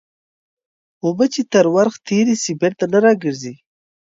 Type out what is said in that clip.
اوبه چې تر ورخ تېري سي بېرته نه راګرځي.